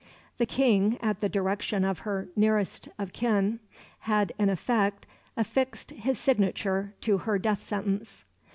The King, at the direction of her nearest of kin, had in effect affixed his signature to her death sentence.